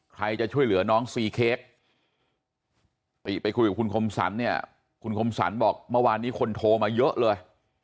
ใครจะช่วยเหลือน้องซีเค้กติไปคุยกับคุณคมสรรเนี่ยคุณคมสรรบอกเมื่อวานนี้คนโทรมาเยอะเลย